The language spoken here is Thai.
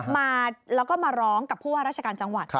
มาแล้วก็มาร้องกับผู้ว่าราชการจังหวัด